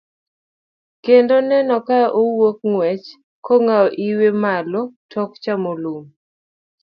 Kendo neno ka owuok ng'wech, kong'awo iwe malo tok chamo lum.